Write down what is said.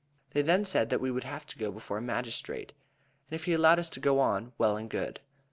They then said that we would have to go before a magistrate, and if he allowed us to go on, well and good.